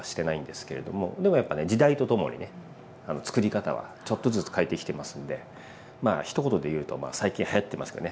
でもやっぱね時代とともにねつくり方はちょっとずつ変えてきてますんでまあひと言で言うとまあ最近はやってますけどね。